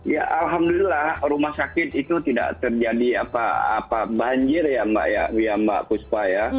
ya alhamdulillah rumah sakit itu tidak terjadi banjir ya mbak ya mbak puspa ya